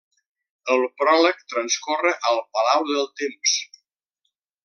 El pròleg transcorre al Palau del Temps.